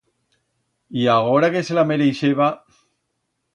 Y agora que se la mereixeba...